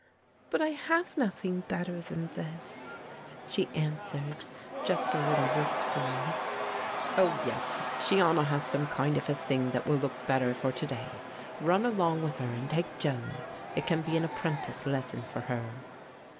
"But I have nothing better than this," she answered, just a little wistfully. "Oh, yes, Shiona has some kind of a thing that will look better for to day. Run along with her and take Joan; it can be an apprentice lesson for her."